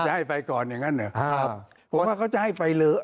ให้ไปก่อนอย่างนั้นนะครับผมว่าเขาจะให้ไปเลอะ